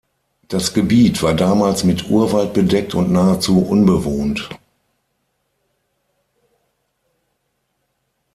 Das Gebiet war damals mit Urwald bedeckt und nahezu unbewohnt.